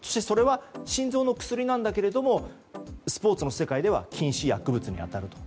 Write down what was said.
それは心臓の薬なんだけれどもスポーツの世界では禁止薬物に当たる。